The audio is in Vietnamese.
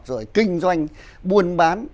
rồi kinh doanh buôn bán